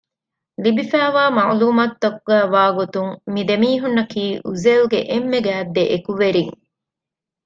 ލިބިފައިވާ މަޢުލޫމާތުގައި ވާގޮތުން މި ދެމީހުންނަކީ އުޒޭލްގެ އެންމެ ގާތް ދެއެކުވެރިން